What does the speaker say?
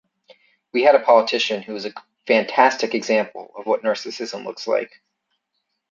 We had a politician who is a fantastic example of what narcissism looks like.